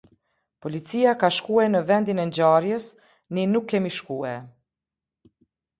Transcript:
Policia ka shkue në vendin e ngjarjes, ne nuk kemi shkue.